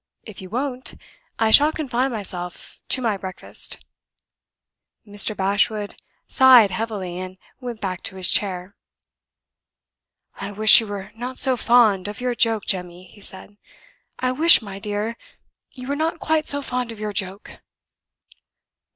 If you won't, I shall confine myself to my breakfast." Mr. Bashwood sighed heavily, and went back to his chair. "I wish you were not so fond of your joke, Jemmy," he said. "I wish, my dear, you were not quite so fond of your joke."